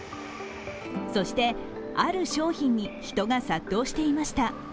そして、ある商品に人が殺到していました。